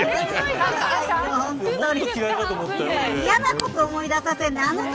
嫌なことを思い出させないで。